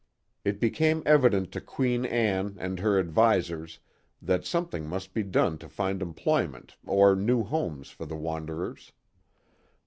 It became evident to Queen Anne and her advisers that something must be done to find employment or new homes for the wanderers.